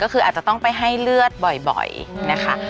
ก็คืออาจจะต้องไปให้เลือดบ่อยนะคะ